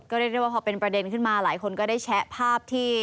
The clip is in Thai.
เรียกได้ว่าพอเป็นประเด็นขึ้นมาหลายคนก็ได้แชะภาพที่